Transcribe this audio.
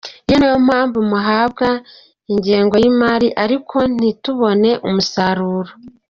Iyi niyo mpamvu muhabwa ingengo y’imari ariko ntitubone umusaruro”.